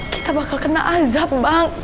kita bakal kena azab bang